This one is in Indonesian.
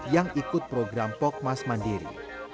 yang ikut program pokmas mandiri